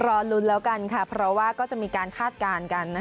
รอลุ้นแล้วกันค่ะเพราะว่าก็จะมีการคาดการณ์กัน